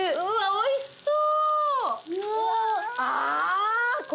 おいしそう。